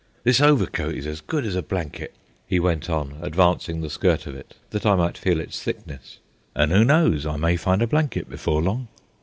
"This overcoat is as good as a blanket," he went on, advancing the skirt of it that I might feel its thickness. "An' 'oo knows, I may find a blanket before long."